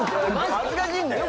恥ずかしいんだけど。